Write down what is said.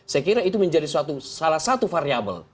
saya kira itu menjadi salah satu variable